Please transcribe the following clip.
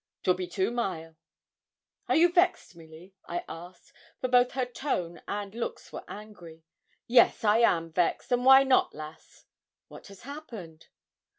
''Twill be two mile.' 'Are you vexed, Milly?' I asked, for both her tone and looks were angry. 'Yes, I am vexed; and why not lass?' 'What has happened?'